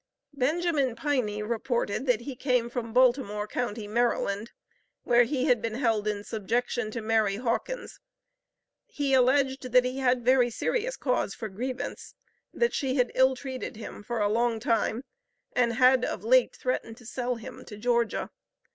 Benjamin Piney reported that he came from Baltimore county, Maryland, where he had been held in subjection to Mary Hawkins. He alleged that he had very serious cause for grievance; that she had ill treated him for a long time, and had of late, threatened to sell him to Georgia.